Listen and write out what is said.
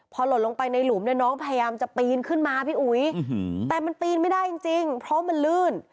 พอหล่นลงไปในหลุมเนี่ยน้องพยายามจะปีนขึ้นมาพี่อุ๋ยแต่มันปีนไม่ได้จริงเพราะมันลื่น